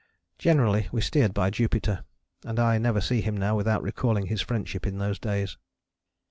Generally we steered by Jupiter, and I never see him now without recalling his friendship in those days.